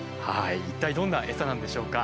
一体どんなエサなんでしょうか？